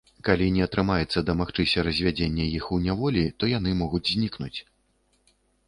Калі не атрымаецца дамагчыся развядзення іх у няволі, то яны могуць знікнуць.